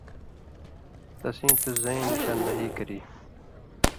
تسیں تُس زَیں نِشان دہی کری